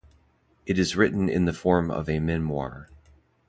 It is written in the form of a memoir.